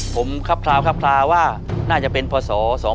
ผมครับคราวครับคลาวว่าน่าจะเป็นพศ๒๕๖